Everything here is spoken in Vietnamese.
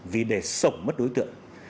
vì để sổng mất đối tượng